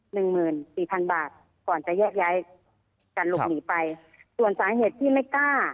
หนึ่งหมื่นสี่พันบาทก่อนจะแยกย้ายกันหลบหนีไปส่วนสาเหตุที่ไม่กล้า